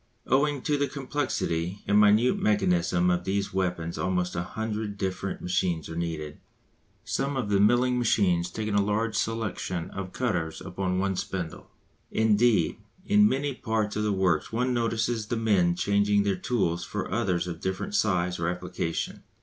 Owing to the complexity and minute mechanism of these weapons almost a hundred different machines are needed, some of the milling machines taking a large selection of cutters upon one spindle. Indeed, in many parts of the works one notices the men changing their tools for others of different size or application.